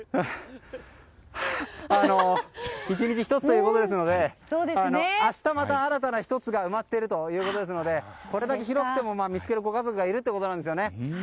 １日１つということですので明日また新たな１つが埋まっているということですのでこれだけ広くても見つけるご家族がいるということなんですよね。